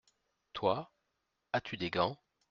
Toi ?… as-tu des gants ?